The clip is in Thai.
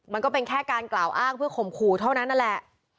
มันก็เป็นแค่การกล่าวอ้างเพื่อข่มขู่เท่านั้นนั่นแหละ